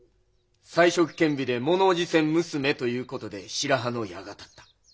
才色兼備でものおじせん娘ということで白羽の矢が立った。